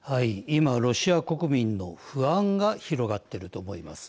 今、ロシア国民の不安が広がっていると思います。